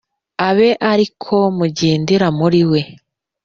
abe ari ko mugendera muri we